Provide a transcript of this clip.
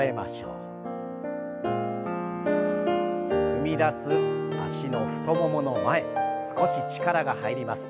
踏み出す脚の太ももの前少し力が入ります。